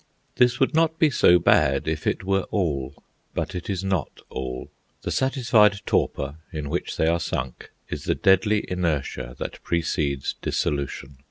This would not be so bad if it were all; but it is not all. The satisfied torpor in which they are sunk is the deadly inertia that precedes dissolution.